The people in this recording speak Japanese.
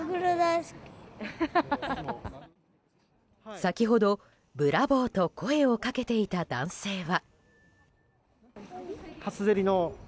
先ほどブラボーと声をかけていた男性は。